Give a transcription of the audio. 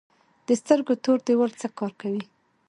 د سترګو تور دیوال څه کار کوي؟